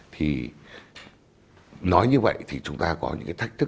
thì nói như vậy thì chúng ta có những cái thách thức